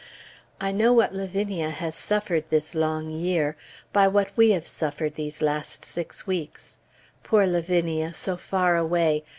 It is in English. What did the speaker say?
I know what Lavinia has suffered this long year, by what we have suffered these last six weeks. Poor Lavinia, so far away!